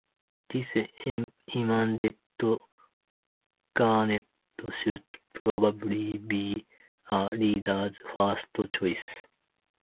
This emended Garnett should probably be a reader's first choice.